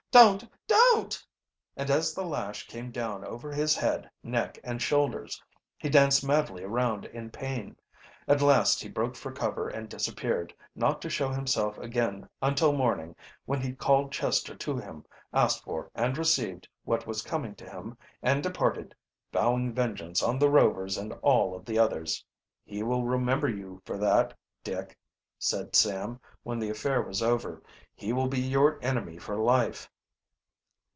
Don't! don't!" And as the lash came down over his head, neck, and shoulders, he danced madly around in pain. At last he broke for cover and disappeared, not to show himself again until morning, when he called Chester to him, asked for and received, what was coming to him, and departed, vowing vengeance on the Rovers and all of the others. "He will remember you for that, Dick," said Sam, when the affair was over. "He will be your enemy for life."